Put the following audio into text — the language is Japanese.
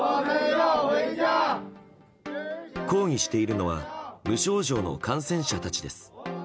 抗議しているのは無症状の感染者たちです。